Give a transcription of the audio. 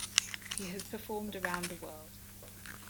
He has performed around the world.